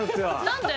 何で？